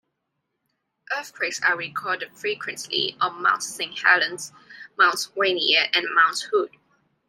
Earthquakes are recorded frequently on Mount Saint Helens, Mount Rainier, and Mount Hood.